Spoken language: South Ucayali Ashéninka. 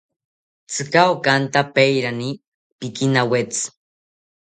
Tzika okanta pairani pikinawetzi